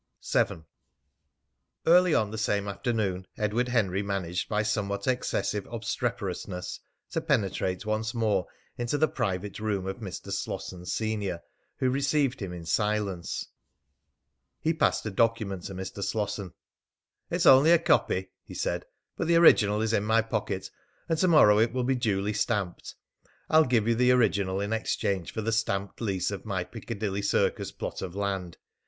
VII. Early on the same afternoon Edward Henry managed by a somewhat excessive obstreperousness to penetrate once more into the private room of Mr. Slosson, senior, who received him in silence. He passed a document to Mr. Slosson. "It's only a copy," he said, "but the original is in my pocket, and to morrow it will be duly stamped. I'll give you the original in exchange for the stamped lease of my Piccadilly Circus plot of land.